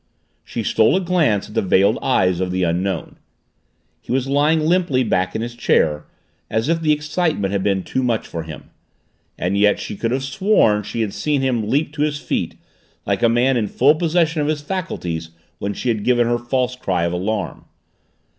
She stole a glance at the veiled eyes of the Unknown. He was lying limply back in his chair, as if the excitement had been too much for him and yet she could have sworn she had seen him leap to his feet, like a man in full possession of his faculties, when she had given her false cry of alarm.